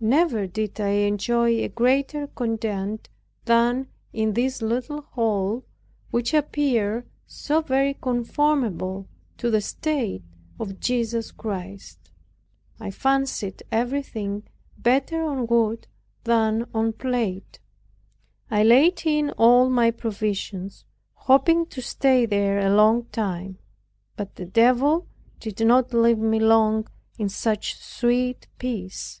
Never did I enjoy a greater content than in this little hole, which appeared so very conformable to the state of Jesus Christ. I fancied everything better on wood than on plate. I laid in all my provisions, hoping to stay there a long time; but the Devil did not leave me long in such sweet peace.